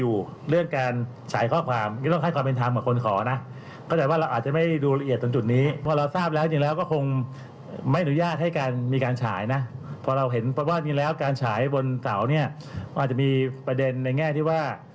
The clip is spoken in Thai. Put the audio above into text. อุ้ยฉายขึ้นไปนู้นเสาสะพานพระราม๘แบบนี้เลยเนี่ยฮะ